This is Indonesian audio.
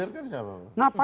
menggulirkan siapa pak